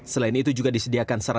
selain itu juga disediakan pusi alorsan